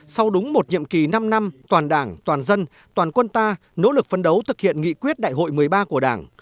sau đúng một nhiệm kỳ năm năm toàn đảng toàn dân toàn quân ta nỗ lực phân đấu thực hiện nghị quyết đại hội một mươi ba của đảng